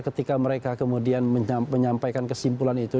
ketika mereka kemudian menyampaikan kesimpulan itu